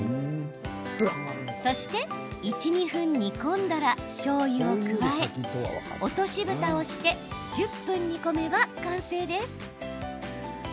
そして１、２分煮込んだらしょうゆを加え落としぶたをして１０分煮込めば完成です。